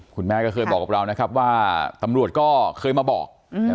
คุณแม่ก็เคยบอกกับเรานะครับว่าตำรวจก็เคยมาบอก